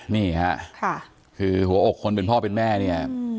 นี่ค่ะคือหัวอกคนเป็นพ่อเป็นแม่เนี่ย